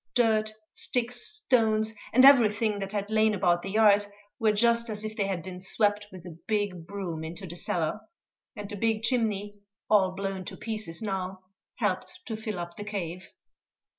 Dirt, sticks, stones, and everything that had lain about the yard were just as if they had been swept with a big broom into the cellar; and the big chimney all blown to pieces now helped to fill up the cave.